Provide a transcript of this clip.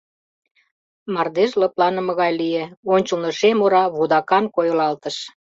Мардеж лыпланыме гай лие, ончылно шем ора вудакан койылалтыш.